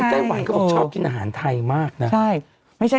แต่ไต้หวันชอบกินอาหารไทยมากนะ